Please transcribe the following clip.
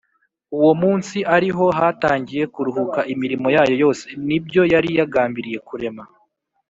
uwo munsi ari ho yatangiye kuruhuka imirimo yayo yose nibyo yari yagambiriye kurema